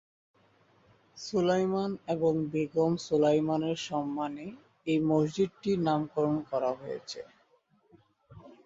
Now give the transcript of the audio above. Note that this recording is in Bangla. সুলাইমান এবং বেগম সুলাইমানের সম্মানে এই মসজিদটির নামকরণ করা হয়েছে।